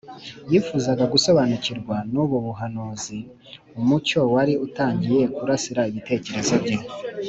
Yifuzaga gusobanukirwa n’ubu buhanuzi. Umucyo wari utangiye kurasira ibitekerezo bye.